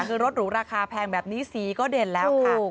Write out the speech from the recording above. คือรถหรูราคาแพงแบบนี้สีก็เด่นแล้วค่ะ